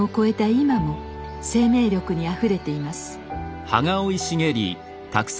今も生命力にあふれています。